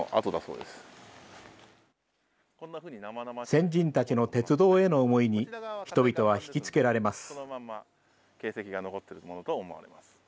先人たちの鉄道への思いに、人々は引きつけられます。